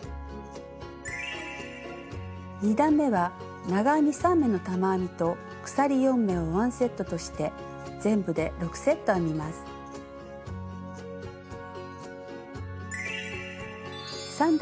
２段めは長編み３目の玉編みと鎖４目をワンセットとして全部で６セット編みます。